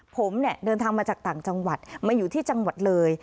ผมเนี่ยเดินทางมาจากต่างจังหวัดมาอยู่ที่จังหวัดเลย